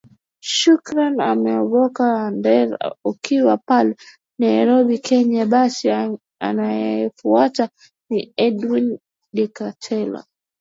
shukran amboka andere ukiwa pale nairobi kenya basi anayefuata ni edwin deketela